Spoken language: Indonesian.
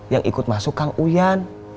yang ikut masuk kang uyan